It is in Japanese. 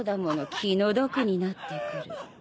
気の毒になってくる。